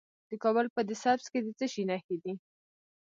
د کابل په ده سبز کې د څه شي نښې دي؟